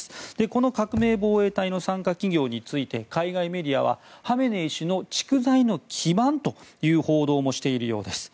この革命防衛隊の傘下企業について海外メディアはハメネイ師の蓄財の基盤という報道もしているようです。